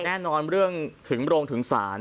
แน่นอนเรื่องถึงโรงถึงศาล